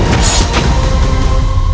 aku akan menangkapmu